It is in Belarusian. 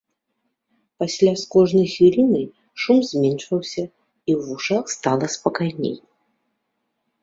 Пасля з кожнай хвілінай шум зменшваўся, і ў вушах стала спакайней.